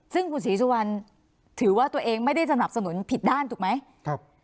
ซึ่งคุณศรีสุวรรณถือว่าตัวเองไม่ได้สนับสนุนผิดด้านถูกไหม